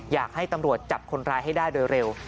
อยากให้ตำรวจจับคนร้ายให้ได้โดยเร็ว